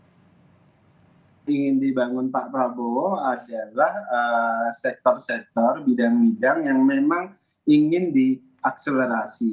yang ingin dibangun pak prabowo adalah sektor sektor bidang bidang yang memang ingin diakselerasi